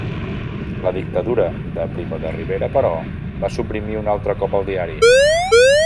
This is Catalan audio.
La dictadura de Primo de Rivera, però, va suprimir un altre cop el diari.